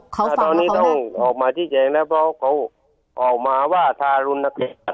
เขาฟังแล้วเขาตอนนี้ต้องออกมาชี้แจงแล้วเพราะเขาออกมาว่าทารุณเกษตร